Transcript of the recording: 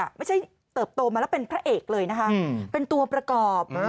ไม่ใช่เติบโตมาแล้วเป็นพระเอกเลยนะคะเป็นตัวประกอบ